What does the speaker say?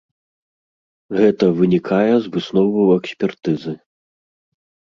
Гэта вынікае з высноваў экспертызы.